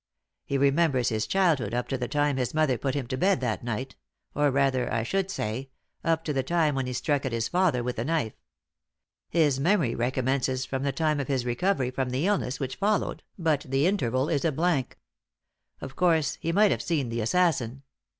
He remembers his childhood up to the time his mother put him to bed that night, or rather, I should say, up to the time when he struck at his father with the knife. His memory re commences from the time of his recovery from the illness which followed, but the interval is a blank. Of course, he might have seen the assassin.